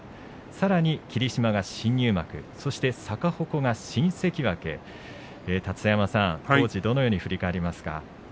さらに霧島が新入幕そして逆鉾が新関脇立田山さん、当時をどのように振り返りますか？